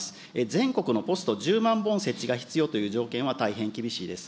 全国のポスト１０万本設置が必要という条件は大変厳しいです。